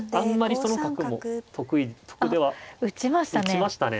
打ちましたね